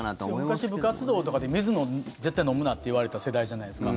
昔、部活動とかで水、絶対飲むなって言われた世代じゃないですか。